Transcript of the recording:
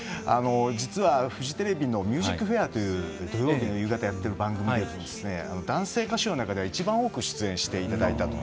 実は、フジテレビの「ＭＵＳＩＣＦＡＩＲ」という土曜日の夕方やっている番組でも男性歌手の中では一番多く出演していただいたと。